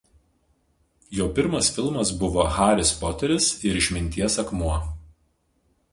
Jo pirmas filmas buvo „Haris Poteris ir Išminties akmuo“.